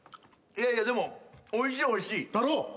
いやいやでもおいしいおいしい！だろう。